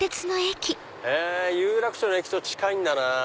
へぇ有楽町の駅と近いんだな。